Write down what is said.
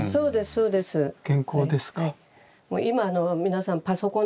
そうですね。